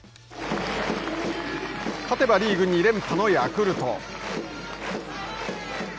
勝てばリーグ２連覇のヤクルト。